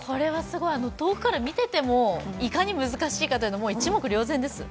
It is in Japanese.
遠くから見ていても、いかに難しいか、もう一目瞭然です。